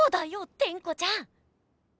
テンコちゃん！